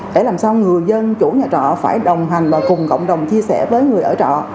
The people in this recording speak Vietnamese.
để làm sao người dân chủ nhà trọ phải đồng hành và cùng cộng đồng chia sẻ với người ở trọ